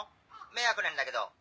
迷惑なんだけど。